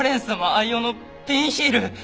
愛用のピンヒール！